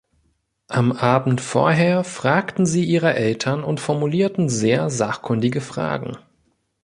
Am Abend vorher fragten sie ihre Eltern und formulierten sehr sachkundige Fragen.